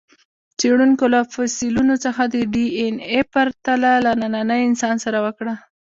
څېړونکو له فسیلونو څخه د ډياېناې پرتله له ننني انسان سره وکړه.